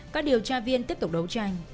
các điều tra viên tiếp tục đấu tranh